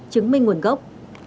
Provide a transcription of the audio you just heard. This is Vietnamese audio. chứng minh nguồn gốc